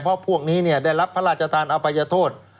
เพราะพวกนี้ได้รับพระราชทานอภัยโทษ